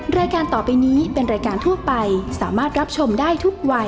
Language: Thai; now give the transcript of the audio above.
รายการต่อไปนี้เป็นรายการทั่วไปสามารถรับชมได้ทุกวัย